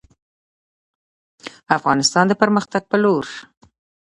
افغانستان د پرمختګ په لور